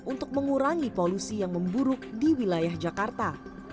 untuk mengurangi polusi yang memburuk di wilayah jakarta